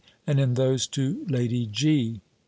and in those to Lady G.